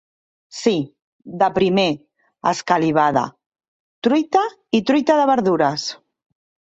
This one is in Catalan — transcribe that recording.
Sí, de primer, escalivada, truita i truita de verdures.